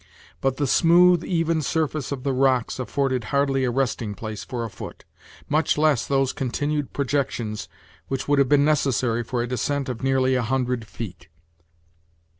But the smooth, even surface of the rocks afforded hardly a resting place for a foot, much less those continued projections which would have been necessary for a descent of nearly a hundred feet.